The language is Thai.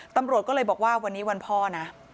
ตำรวจก็เลยบอกว่าวันนี้วันพ่อนะ